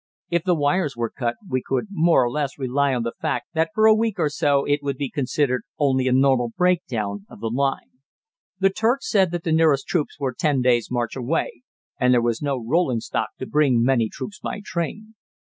If the wires were cut we could more or less rely on the fact that for a week or so it would be considered only a normal breakdown of the line. The Turk said that the nearest troops were ten days' march away, and there was no rolling stock to bring many troops by train.